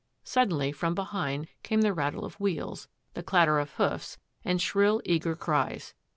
Suddenly from behind came the rattle of wheels, the clatter of hoofs, and shrill, eager cries.